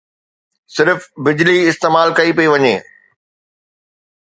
صرف بجلي استعمال ڪئي پئي وڃي